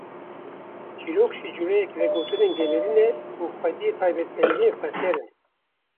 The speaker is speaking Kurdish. Çîrok jî cureyekî vegotinên gelêri ne û xwedî taybetmendiyên xweser in .